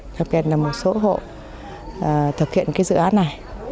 đặc biệt là một số hộ thực hiện cái dự án này